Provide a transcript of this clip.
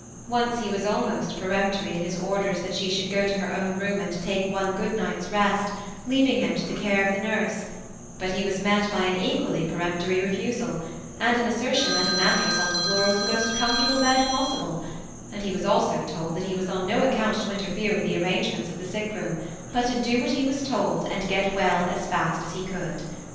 Once he was almost peremptory in his orders, that she should go to her own room and take one good night's rest, leaving him to the care of the nurse ; but he was met by an equally peremptory refusal, and an assertion that a mattress on the floor was the most comfortable bed possible ; and he was also told, that he was on no account to interfere with the arrangements of the sick room, but to do what he was told, and get well as fast as he could.